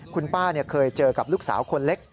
คุณป้าเคยเจอกับลูกสาวคนเล็ก